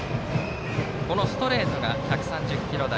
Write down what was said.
ストレートが１３０キロ台。